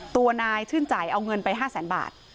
ตัวนายชื่นใจเอาเงินไป๕แสนบาท